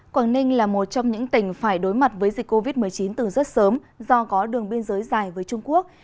quảng ninh là một trong những tỉnh phải đối mặt với dịch covid một mươi chín từ rất sớm do có đường biên giới dài với trung quốc